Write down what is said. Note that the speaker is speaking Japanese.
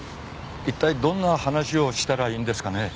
一体どんな話をしたらいいんですかね？